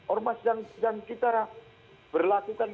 ormas yang kita berlakukan